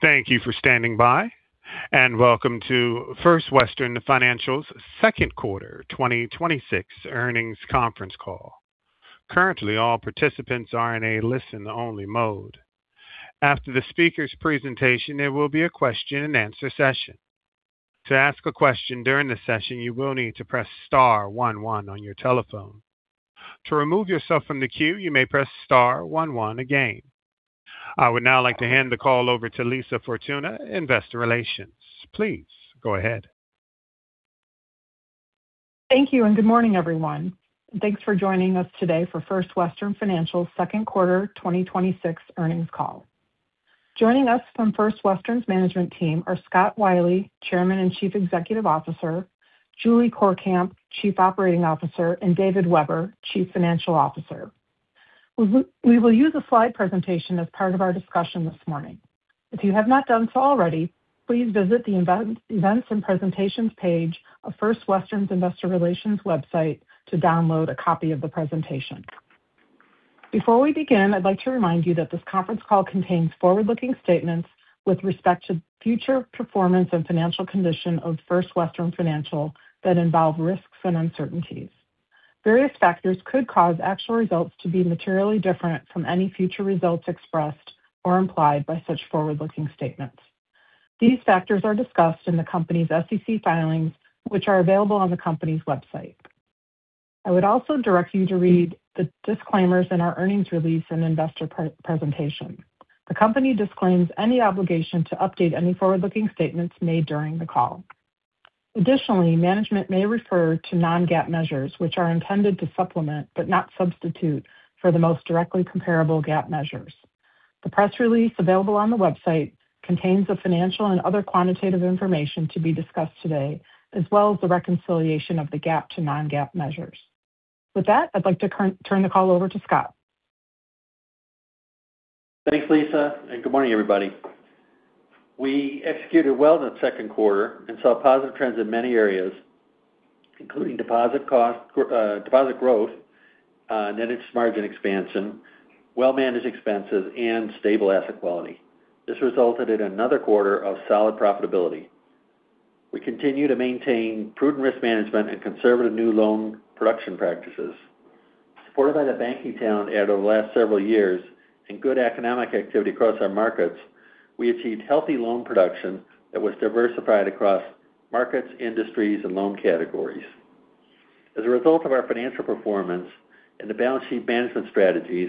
Thank you for standing by, and welcome to First Western Financial's Second Quarter 2026 Earnings Conference Call. Currently, all participants are in a listen-only mode. After the speakers' presentation, there will be a question-and-answer session. To ask a question during the session, you will need to press star one one on your telephone. To remove yourself from the queue, you may press star one one again. I would now like to hand the call over to Lisa Fortuna, Investor Relations. Please go ahead. Thank you. Good morning, everyone. Thanks for joining us today for First Western Financial's second quarter 2026 earnings call. Joining us from First Western's management team are Scott Wylie, Chairman and Chief Executive Officer, Julie Courkamp, Chief Operating Officer, and David Weber, Chief Financial Officer. We will use a slide presentation as part of our discussion this morning. If you have not done so already, please visit the Events & Presentations page of First Western's Investor Relations website to download a copy of the presentation. Before we begin, I'd like to remind you that this conference call contains forward-looking statements with respect to the future performance and financial condition of First Western Financial that involve risks and uncertainties. Various factors could cause actual results to be materially different from any future results expressed or implied by such forward-looking statements. These factors are discussed in the company's SEC filings, which are available on the company's website. I would also direct you to read the disclaimers in our earnings release and investor presentation. The company disclaims any obligation to update any forward-looking statements made during the call. Additionally, management may refer to non-GAAP measures, which are intended to supplement, but not substitute, for the most directly comparable GAAP measures. The press release available on the website contains the financial and other quantitative information to be discussed today, as well as the reconciliation of the GAAP to non-GAAP measures. With that, I'd like to turn the call over to Scott. Thanks, Lisa. Good morning, everybody. We executed well in the second quarter and saw positive trends in many areas, including deposit growth, net interest margin expansion, well-managed expenses, and stable asset quality. This resulted in another quarter of solid profitability. We continue to maintain prudent risk management and conservative new loan production practices. Supported by the banking talent over the last several years and good economic activity across our markets, we achieved healthy loan production that was diversified across markets, industries, and loan categories. As a result of our financial performance and the balance sheet management strategies,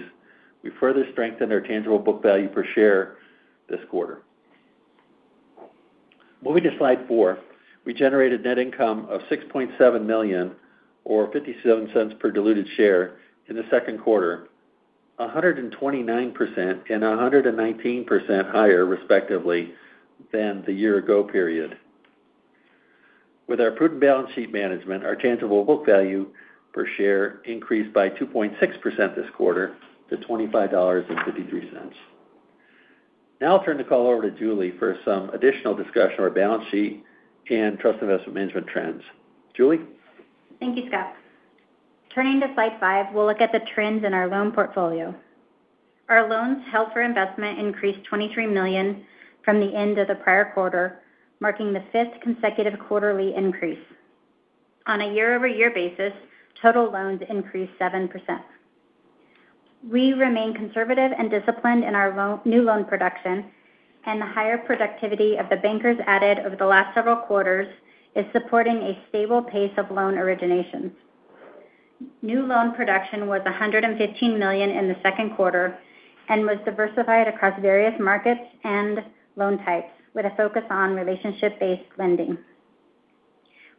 we further strengthened our tangible book value per share this quarter. Moving to slide four, we generated net income of $6.7 million or $0.57 per diluted share in the second quarter, 129% and 119% higher, respectively, than the year-ago period. With our prudent balance sheet management, our tangible book value per share increased by 2.6% this quarter to $25.53. I'll turn the call over to Julie for some additional discussion on our balance sheet and trust investment management trends. Julie? Thank you, Scott. Turning to slide five, we'll look at the trends in our loan portfolio. Our loans held for investment increased $23 million from the end of the prior quarter, marking the fifth consecutive quarterly increase. On a year-over-year basis, total loans increased 7%. We remain conservative and disciplined in our new loan production. The higher productivity of the bankers added over the last several quarters is supporting a stable pace of loan originations. New loan production was $115 million in the second quarter and was diversified across various markets and loan types, with a focus on relationship-based lending.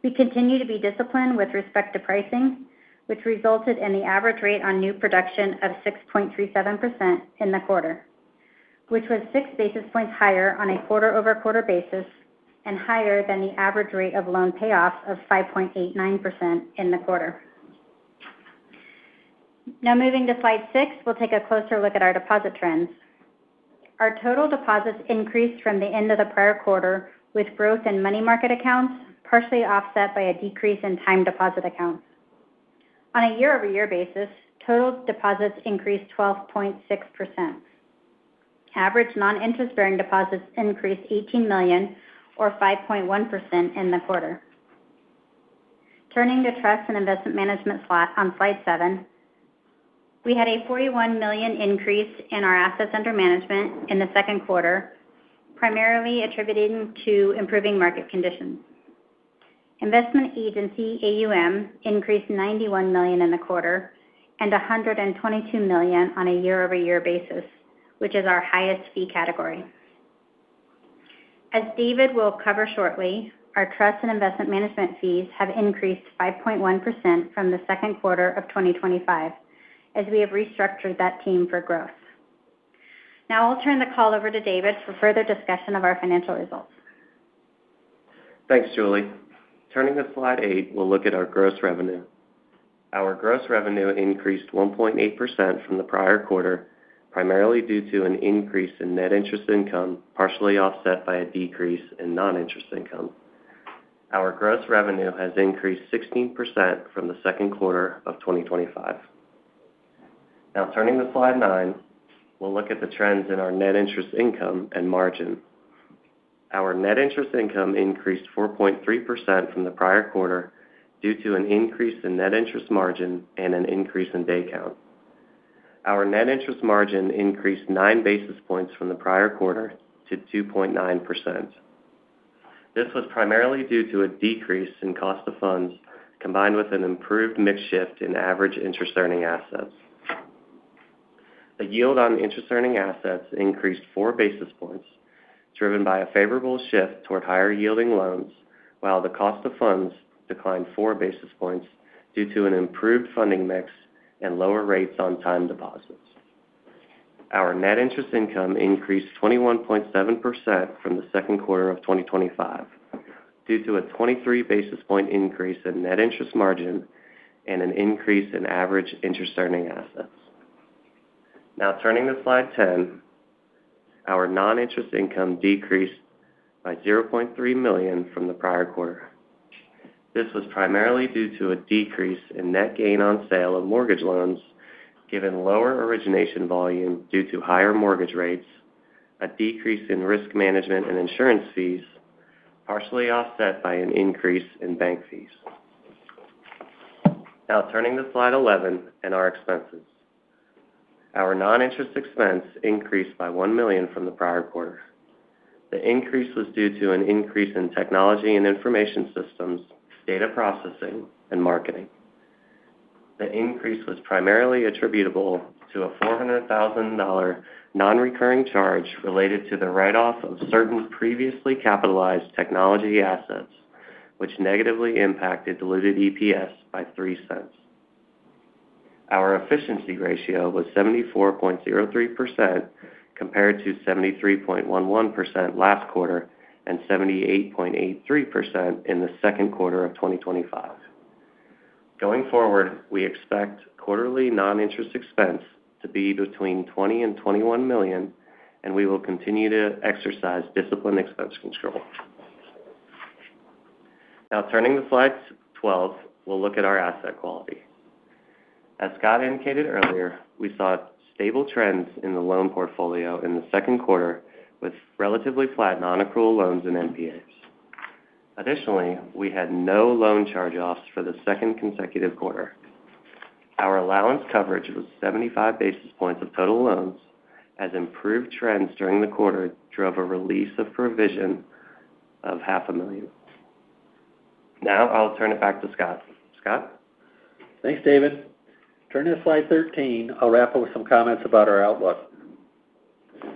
We continue to be disciplined with respect to pricing, which resulted in the average rate on new production of 6.37% in the quarter. Which was 6 basis points higher on a quarter-over-quarter basis and higher than the average rate of loan payoffs of 5.89% in the quarter. Moving to slide six, we'll take a closer look at our deposit trends. Our total deposits increased from the end of the prior quarter, with growth in money market accounts partially offset by a decrease in time deposit accounts. On a year-over-year basis, total deposits increased 12.6%. Average non-interest-bearing deposits increased $18 million or 5.1% in the quarter. Turning to trust and investment management on slide seven, we had a $41 million increase in our assets under management in the second quarter, primarily attributed to improving market conditions. Investment agency AUM increased $91 million in the quarter and $122 million on a year-over-year basis, which is our highest fee category. As David will cover shortly, our trust and investment management fees have increased 5.1% from the second quarter of 2025 as we have restructured that team for growth. I'll turn the call over to David for further discussion of our financial results. Thanks, Julie. Turning to slide eight, we'll look at our gross revenue. Our gross revenue increased 1.8% from the prior quarter, primarily due to an increase in net interest income, partially offset by a decrease in non-interest income. Our gross revenue has increased 16% from the second quarter of 2025. Turning to slide nine, we'll look at the trends in our net interest income and margin. Our net interest income increased 4.3% from the prior quarter due to an increase in net interest margin and an increase in day count. Our net interest margin increased 9 basis points from the prior quarter to 2.9%. This was primarily due to a decrease in cost of funds, combined with an improved mix shift in average interest-earning assets. The yield on interest earning assets increased 4 basis points, driven by a favorable shift toward higher yielding loans, while the cost of funds declined 4 basis points due to an improved funding mix and lower rates on time deposits. Our net interest income increased 21.7% from the second quarter of 2025 due to a 23 basis point increase in net interest margin and an increase in average interest-earning assets. Turning to slide 10, our non-interest income decreased by $0.3 million from the prior quarter. This was primarily due to a decrease in net gain on sale of mortgage loans, given lower origination volume due to higher mortgage rates, a decrease in risk management and insurance fees, partially offset by an increase in bank fees. Turning to slide 11 and our expenses. Our non-interest expense increased by $1 million from the prior quarter. The increase was due to an increase in technology and information systems, data processing, and marketing. The increase was primarily attributable to a $400,000 non-recurring charge related to the write-off of certain previously capitalized technology assets, which negatively impacted diluted EPS by $0.03. Our efficiency ratio was 74.03%, compared to 73.11% last quarter and 78.83% in the second quarter of 2025. Going forward, we expect quarterly non-interest expense to be between $20 million and $21 million, and we will continue to exercise disciplined expense control. Turning to slide 12, we'll look at our asset quality. As Scott indicated earlier, we saw stable trends in the loan portfolio in the second quarter, with relatively flat non-accrual loans and NPAs. Additionally, we had no loan charge-offs for the second consecutive quarter. Our allowance coverage was 75 basis points of total loans, as improved trends during the quarter drove a release of provision of $0.5 million. I'll turn it back to Scott. Scott? Thanks, David. Turning to slide 13, I'll wrap up with some comments about our outlook.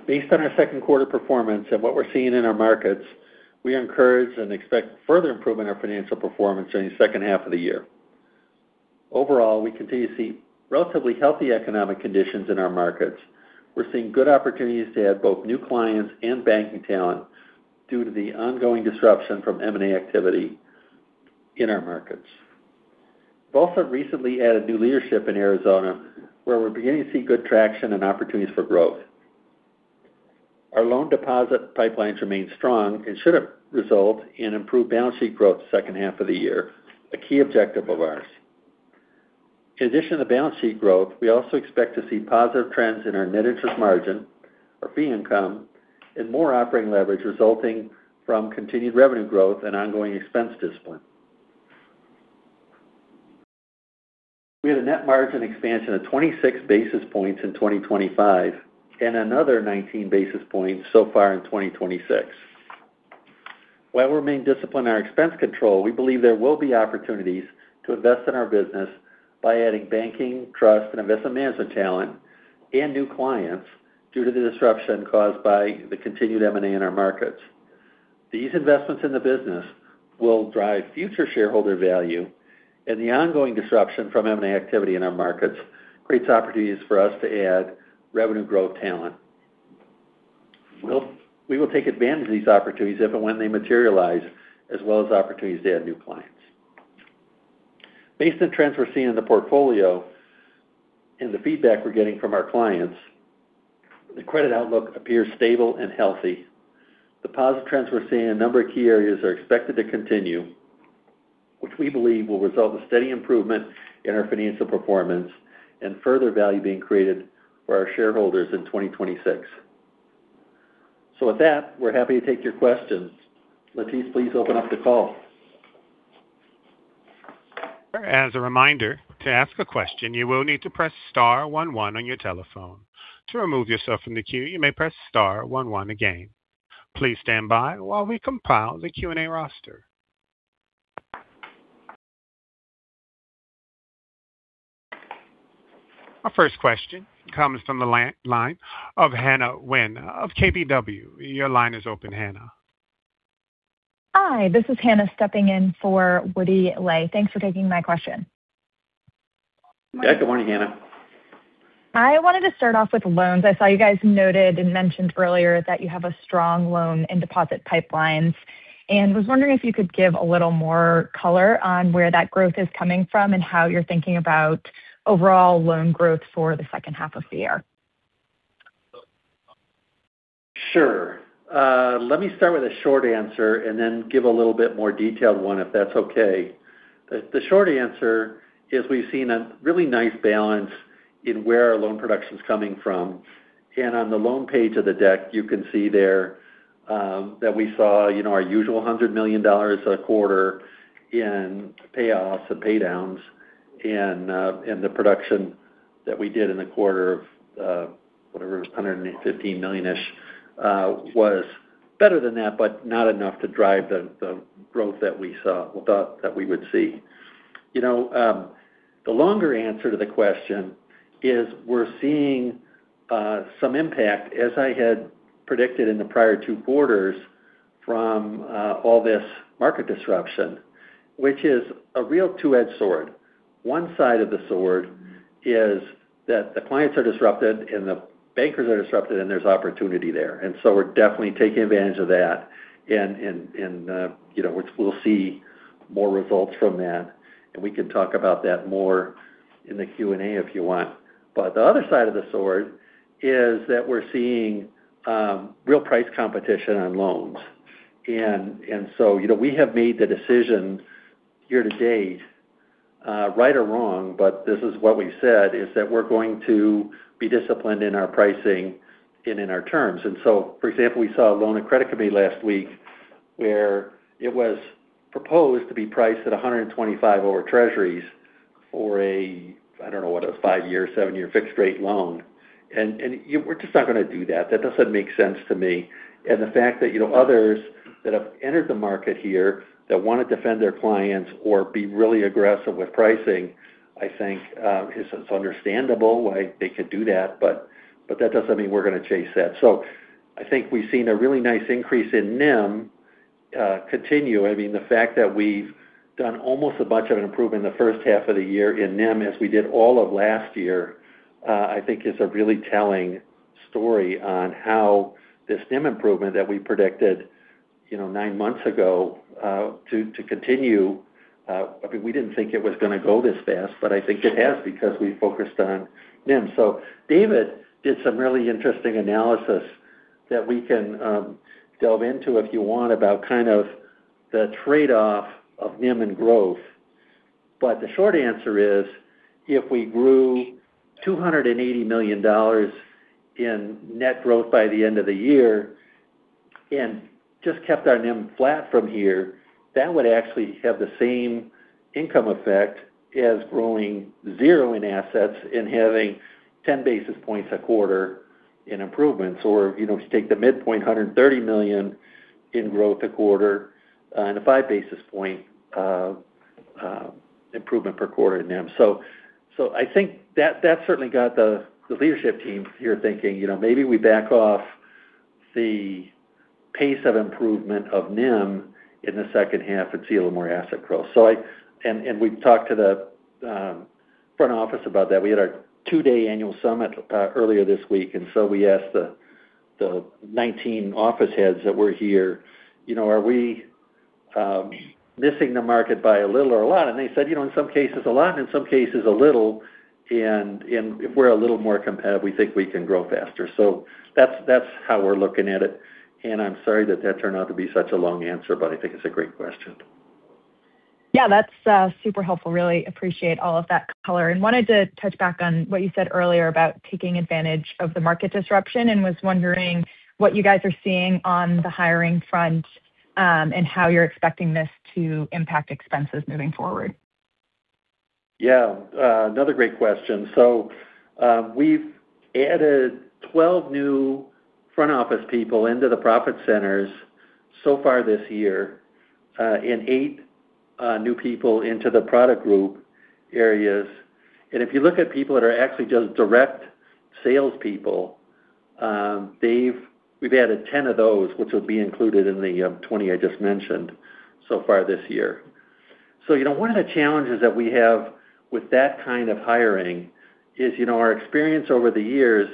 Based on our second quarter performance and what we're seeing in our markets, we are encouraged and expect further improvement in our financial performance during the second half of the year. Overall, we continue to see relatively healthy economic conditions in our markets. We're seeing good opportunities to add both new clients and banking talent due to the ongoing disruption from M&A activity in our markets. Also, recently added new leadership in Arizona, where we're beginning to see good traction and opportunities for growth. Our loan deposit pipelines remain strong and should result in improved balance sheet growth second half of the year, a key objective of ours. In addition to balance sheet growth, we also expect to see positive trends in our net interest margin, our fee income, and more operating leverage resulting from continued revenue growth and ongoing expense discipline. We had a net margin expansion of 26 basis points in 2025 and another 19 basis points so far in 2026. While remaining disciplined in our expense control, we believe there will be opportunities to invest in our business by adding banking, trust, and investment management talent and new clients due to the disruption caused by the continued M&A in our markets. These investments in the business will drive future shareholder value. The ongoing disruption from M&A activity in our markets creates opportunities for us to add revenue growth talent. We will take advantage of these opportunities if and when they materialize, as well as opportunities to add new clients. Based on trends we're seeing in the portfolio and the feedback we're getting from our clients, the credit outlook appears stable and healthy. The positive trends we're seeing in a number of key areas are expected to continue, which we believe will result in steady improvement in our financial performance and further value being created for our shareholders in 2026. With that, we're happy to take your questions. Latice, please open up the call. As a reminder, to ask a question, you will need to press star one one on your telephone. To remove yourself from the queue, you may press star one one again. Please stand by while we compile the Q&A roster. Our first question comes from the line of Hannah Wynn of KBW. Your line is open, Hannah. Hi, this is Hannah stepping in for Woody Lay. Thanks for taking my question. Good morning, Hannah. I wanted to start off with loans. I saw you guys noted and mentioned earlier that you have a strong loan and deposit pipelines, and was wondering if you could give a little more color on where that growth is coming from and how you're thinking about overall loan growth for the second half of the year. Sure. Let me start with a short answer and then give a little bit more detailed one if that's okay. The short answer is we've seen a really nice balance in where our loan production's coming from. On the loan page of the deck, you can see there that we saw our usual $100 million a quarter in payoffs and pay downs, and the production that we did in the quarter of, whatever it was, $115 million-ish, was better than that, but not enough to drive the growth that we thought that we would see. The longer answer to the question is we're seeing some impact, as I had predicted in the prior two quarters from all this market disruption, which is a real two-edged sword. One side of the sword is that the clients are disrupted, and the bankers are disrupted, and there's opportunity there. We're definitely taking advantage of that. We'll see more results from that, and we can talk about that more in the Q&A if you want. The other side of the sword is that we're seeing real price competition on loans. We have made the decision year to date, right or wrong, but this is what we've said, is that we're going to be disciplined in our pricing and in our terms. For example, we saw a loan at credit committee last week where it was proposed to be priced at 125 over Treasuries for a, I don't know, what, a five-year, seven-year fixed rate loan. We're just not going to do that. That doesn't make sense to me. The fact that others that have entered the market here that want to defend their clients or be really aggressive with pricing, I think it's understandable why they could do that, but that doesn't mean we're going to chase that. I think we've seen a really nice increase in NIM continue. The fact that we've done almost a bunch of an improvement in the first half of the year in NIM as we did all of last year, I think is a really telling story on how this NIM improvement that we predicted nine months ago to continue. We didn't think it was going to go this fast, but I think it has because we focused on NIM. David did some really interesting analysis that we can delve into, if you want, about kind of the trade-off of NIM and growth. The short answer is, if we grew $280 million in net growth by the end of the year and just kept our NIM flat from here, that would actually have the same income effect as growing zero in assets and having 10 basis points a quarter in improvements. Or if you take the midpoint, $130 million in growth a quarter and a 5 basis point improvement per quarter in NIM. I think that certainly got the leadership team here thinking, maybe we back off the pace of improvement of NIM in the second half and see a little more asset growth. We've talked to the front office about that. We had our two-day annual summit earlier this week. We asked the 19 office heads that were here, "Are we missing the market by a little or a lot?" They said, "In some cases, a lot, in some cases, a little. If we're a little more competitive, we think we can grow faster." That's how we're looking at it. I'm sorry that that turned out to be such a long answer, but I think it's a great question. Yeah, that's super helpful. Really appreciate all of that color. Wanted to touch back on what you said earlier about taking advantage of the market disruption and was wondering what you guys are seeing on the hiring front, and how you're expecting this to impact expenses moving forward. Yeah. Another great question. We've added 12 new front office people into the profit centers so far this year, and eight new people into the product group areas. If you look at people that are actually just direct salespeople, we've added 10 of those, which will be included in the 20 I just mentioned so far this year. One of the challenges that we have with that kind of hiring is our experience over the years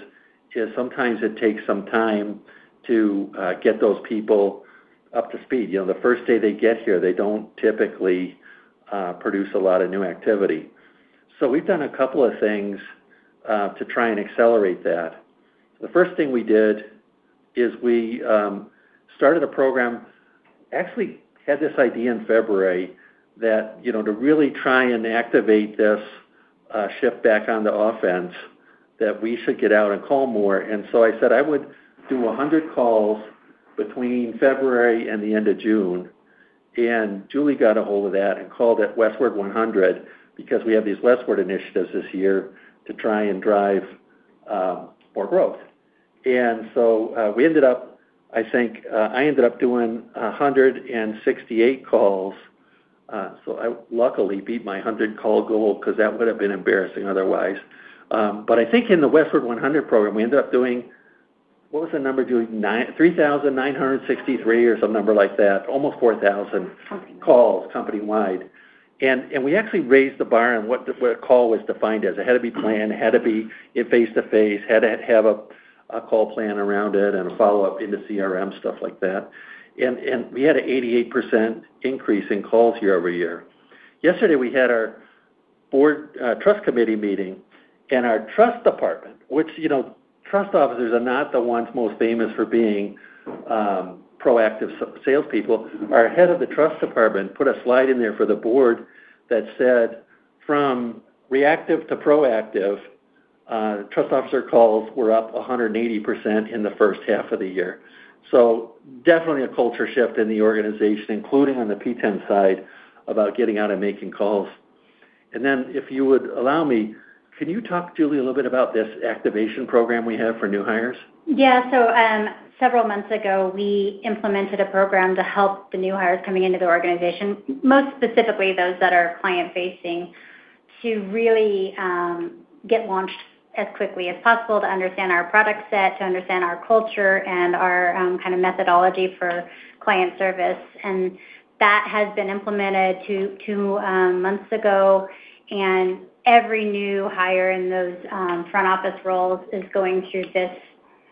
is sometimes it takes some time to get those people up to speed. The first day they get here, they don't typically produce a lot of new activity. We've done a couple of things to try and accelerate that. The first thing we did is we started a program, actually had this idea in February that to really try and activate this shift back on the offense, that we should get out and call more. I said I would do 100 calls between February and the end of June. Julie got ahold of that and called it Westward 100 because we have these Westward initiatives this year to try and drive more growth. We ended up, I think I ended up doing 168 calls. I luckily beat my 100-call goal because that would have been embarrassing otherwise. I think in the Westward 100 program, we ended up doing, what was the number Julie? 3,963 or some number like that. Almost 4,000 calls company-wide. We actually raised the bar on what a call was defined as. It had to be planned, it had to be face-to-face, had to have a call plan around it and a follow-up into CRM, stuff like that. We had a 88% increase in calls year-over-year. Yesterday, we had our Board trust committee meeting and our trust department, which trust officers are not the ones most famous for being proactive salespeople. Our head of the trust department put a slide in there for the board that said, from reactive to proactive, trust officer calls were up 180% in the first half of the year. Definitely a culture shift in the organization, including on the private side about getting out and making calls. If you would allow me, can you talk, Julie, a little bit about this activation program we have for new hires? Yeah. Several months ago, we implemented a program to help the new hires coming into the organization, most specifically those that are client-facing, to really get launched as quickly as possible, to understand our product set, to understand our culture, and our methodology for client service. That has been implemented two months ago, and every new hire in those front office roles is going through this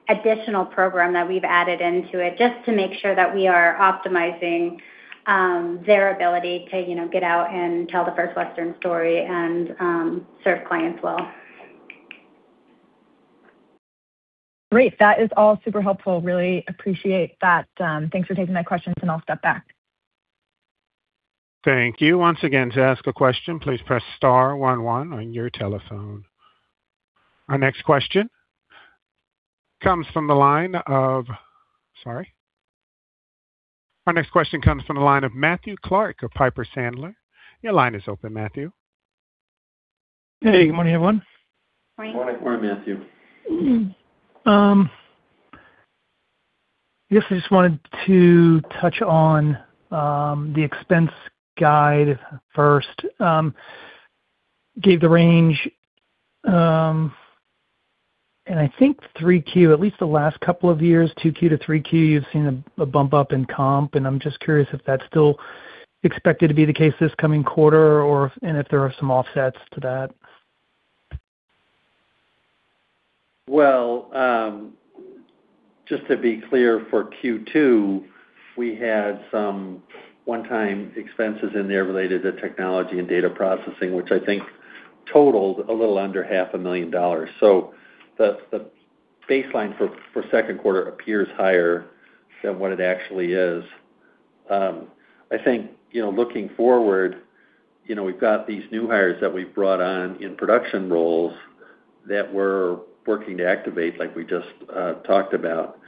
additional program that we've added into it, just to make sure that we are optimizing their ability to get out and tell the First Western story and serve clients well. Great. That is all super helpful. Really appreciate that. Thanks for taking my questions, and I'll step back. Thank you. Once again, to ask a question, please press star one one on your telephone. Our next question comes from the line of Sorry. Our next question comes from the line of Matthew Clark of Piper Sandler. Your line is open, Matthew. Hey, good morning, everyone. Morning. Morning, Matthew. I guess I just wanted to touch on the expense guide first. Gave the range. I think 3Q, at least the last couple of years, 2Q to 3Q, you've seen a bump up in comp. I'm just curious if that's still expected to be the case this coming quarter or if there are some offsets to that. Well, just to be clear, for Q2, we had some one-time expenses in there related to technology and data processing, which I think totaled a little under $0.5 million. The baseline for second quarter appears higher than what it actually is. I think, looking forward, we've got these new hires that we've brought on in production roles that we're working to activate, like we just talked about.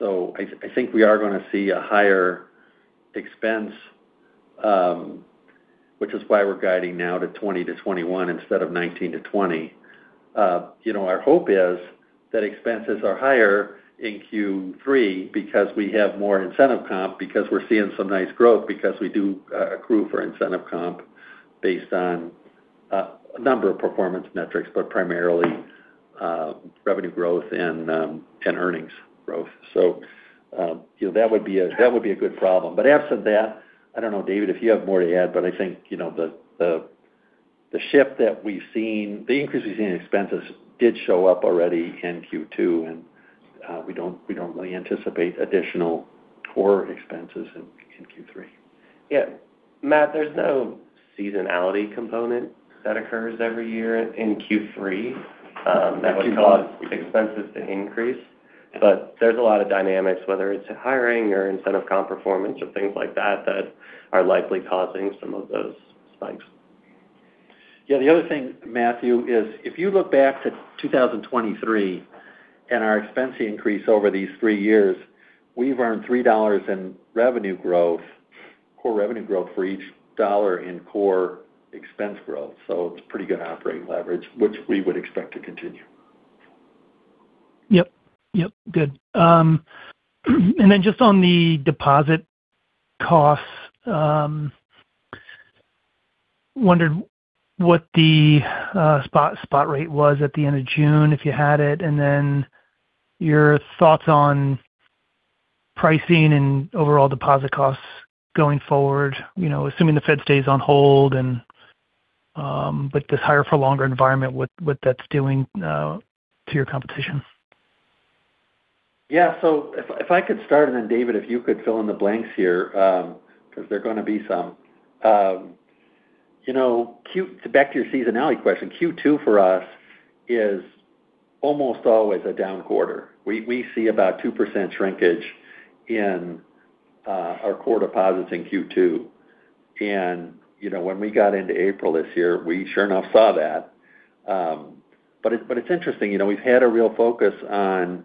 I think we are going to see a higher expense, which is why we're guiding now to $20 million-$21 million instead of $19 million-$20 million. Our hope is that expenses are higher in Q3 because we have more incentive comp because we're seeing some nice growth because we do accrue for incentive comp based on a number of performance metrics, but primarily revenue growth and earnings growth. That would be a good problem. Absent that, I don't know, David, if you have more to add. I think the shift that we've seen, the increase we've seen in expenses did show up already in Q2. We don't really anticipate additional core expenses in Q3. Yeah. Matt, there's no seasonality component that occurs every year in Q3. There's a lot of dynamics, whether it's hiring or incentive comp performance or things like that are likely causing some of those spikes. Yeah, the other thing, Matthew, is if you look back to 2023 and our expense increase over these three years, we've earned $3 in revenue growth, core revenue growth for each dollar in core expense growth. It's pretty good operating leverage, which we would expect to continue. Yep. Good. Just on the deposit costs, wondered what the spot rate was at the end of June, if you had it, and then your thoughts on pricing and overall deposit costs going forward, assuming the Fed stays on hold and with this higher for longer environment, what that's doing to your competition? Yeah. If I could start, and then David, if you could fill in the blanks here, because there are going to be some. Back to your seasonality question. Q2 for us is almost always a down quarter. We see about 2% shrinkage in our core deposits in Q2. When we got into April this year, we sure enough saw that. It's interesting. We've had a real focus on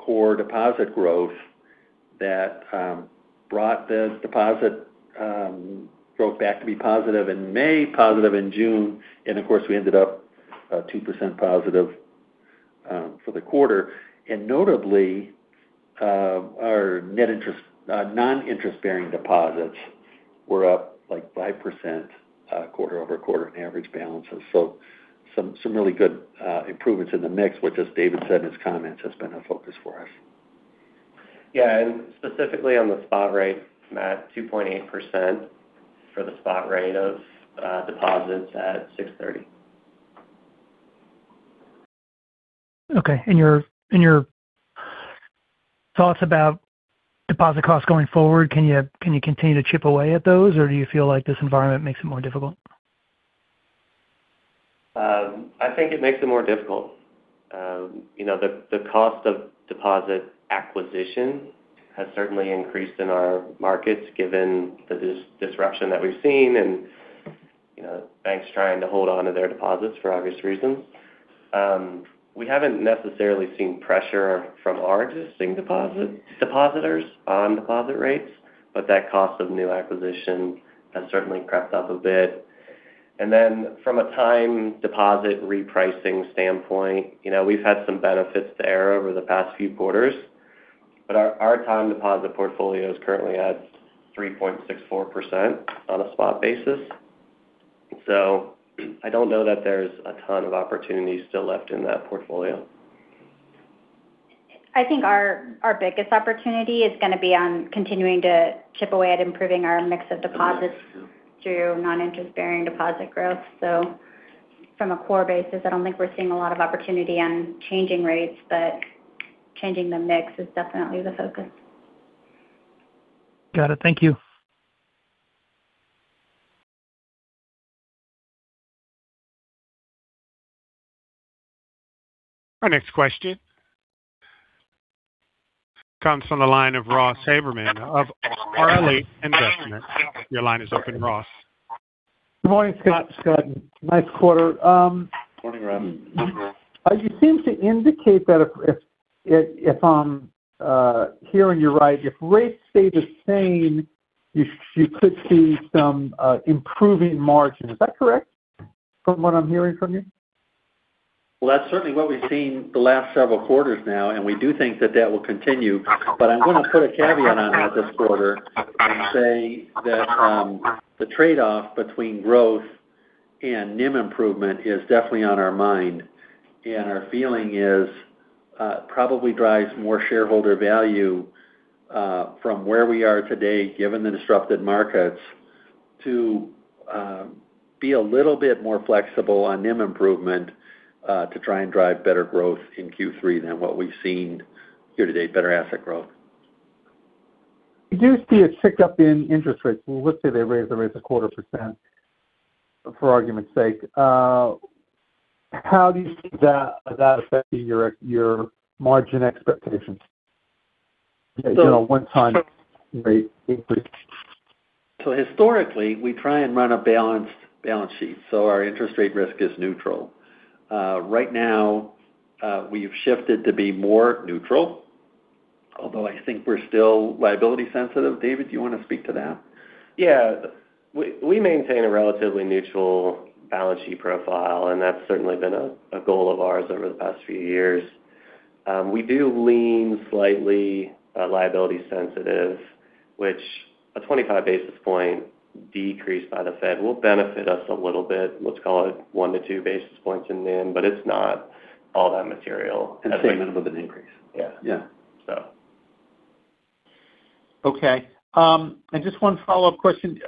core deposit growth that brought the deposit growth back to be positive in May, positive in June, and of course, we ended up 2% positive for the quarter. Notably, our net interest, non-interest-bearing deposits were up 5% quarter-over-quarter in average balances. Some really good improvements in the mix, which, as David said in his comments, has been a focus for us. Yeah. Specifically on the spot rate, Matt, 2.8% for the spot rate of deposits at June 30. Okay. In your thoughts about deposit costs going forward, can you continue to chip away at those, or do you feel like this environment makes it more difficult? I think it makes it more difficult. The cost of deposit acquisition has certainly increased in our markets, given the disruption that we've seen and banks trying to hold onto their deposits for obvious reasons. We haven't necessarily seen pressure from our existing depositors on deposit rates, but that cost of new acquisition has certainly crept up a bit. Then from a time deposit repricing standpoint, we've had some benefits there over the past few quarters. Our time deposit portfolio is currently at 3.64% on a spot basis. I don't know that there's a ton of opportunities still left in that portfolio. I think our biggest opportunity is going to be on continuing to chip away at improving our mix of deposits through non-interest-bearing deposit growth. From a core basis, I don't think we're seeing a lot of opportunity on changing rates, but changing the mix is definitely the focus. Got it. Thank you. Our next question comes from the line of Ross Haberman of RLH Investments. Your line is open, Ross. Good morning, Scott and David. Nice quarter. Morning, Ross. You seem to indicate that, if I'm hearing you right, if rates stay the same, you could see some improving margin. Is that correct from what I'm hearing from you? Well, that's certainly what we've seen the last several quarters now, and we do think that that will continue. I'm going to put a caveat on that this quarter and say that the trade-off between growth and NIM improvement is definitely on our mind. Our feeling is probably drives more shareholder value from where we are today, given the disrupted markets, to be a little bit more flexible on NIM improvement to try and drive better growth in Q3 than what we've seen year to date, better asset growth. You see a tick up in interest rates. Let's say they raise the rates 25% for argument's sake. How do you see that affecting your margin expectations? You know, one-time rate increase. Historically, we try and run a balanced balance sheet. Our interest rate risk is neutral. Right now, we've shifted to be more neutral, although I think we're still liability sensitive. David, do you want to speak to that? Yeah. We maintain a relatively neutral balance sheet profile, and that's certainly been a goal of ours over the past few years. We do lean slightly liability sensitive, which a 25 basis point decrease by the Fed will benefit us a little bit, let's call it one to 2 basis points in NIM, but it's not all that material. Same with an increase. Yeah. Okay. Just one follow-up question.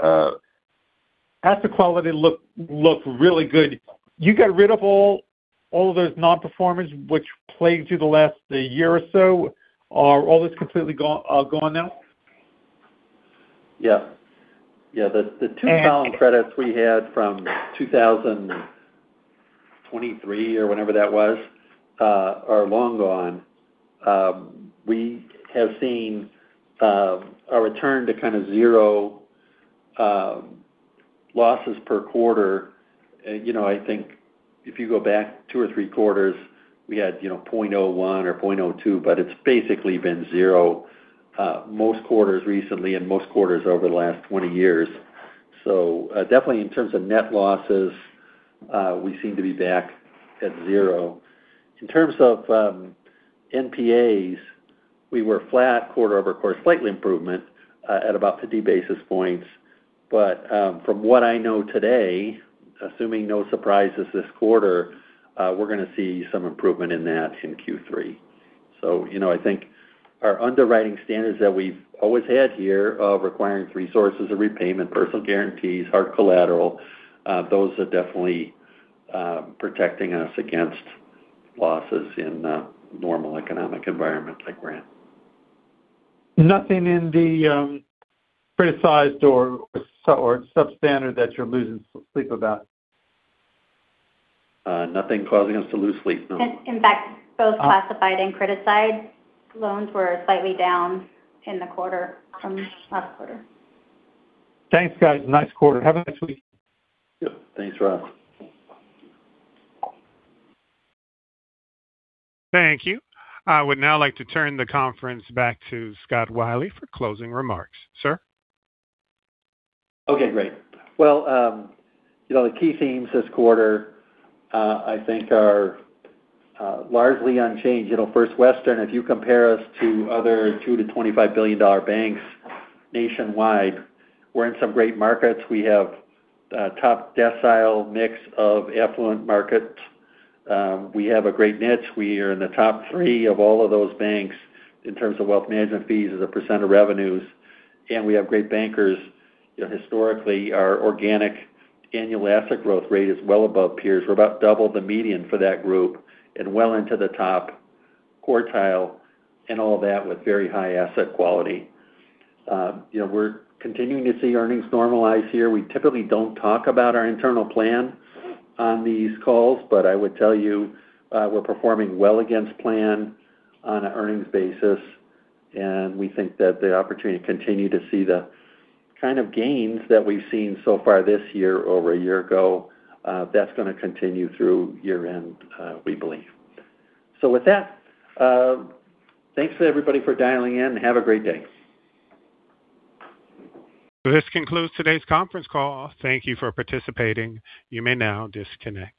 Asset quality look really good. You got rid of all of those non-performers which plagued you the last year or so. Are all those completely gone now? Yeah. The two problem credits we had from 2023, or whenever that was, are long gone. We have seen a return to kind of zero losses per quarter. I think if you go back two or three quarters, we had 0.01 or 0.02, but it's basically been zero most quarters recently and most quarters over the last 20 years. Definitely in terms of net losses, we seem to be back at zero. In terms of NPAs, we were flat quarter-over-quarter, slight improvement at about 50 basis points. From what I know today, assuming no surprises this quarter, we're going to see some improvement in that in Q3. I think our underwriting standards that we've always had here of requiring three sources of repayment, personal guarantees, hard collateral, those are definitely protecting us against losses in a normal economic environment like we're in. Nothing in the criticized or substandard that you're losing sleep about? Nothing causing us to lose sleep, no. In fact, both classified and criticized loans were slightly down in the quarter from last quarter. Thanks, guys. Nice quarter. Have a nice week. Yep. Thanks, Ross. Thank you. I would now like to turn the conference back to Scott Wylie for closing remarks. Sir? Okay, great. The key themes this quarter I think are largely unchanged. First Western, if you compare us to other $2 billion-$25 billion banks nationwide, we're in some great markets. We have a top decile mix of affluent markets. We have a great niche. We are in the top three of all of those banks in terms of wealth management fees as a percent of revenues. We have great bankers. Historically, our organic annual asset growth rate is well above peers. We're about double the median for that group and well into the top quartile, all that with very high asset quality. We're continuing to see earnings normalize here. We typically don't talk about our internal plan on these calls. I would tell you we're performing well against plan on an earnings basis. We think that the opportunity to continue to see the kind of gains that we've seen so far this year over a year ago, that's going to continue through year-end, we believe. With that, thanks everybody for dialing in. Have a great day. This concludes today's conference call. Thank you for participating. You may now disconnect.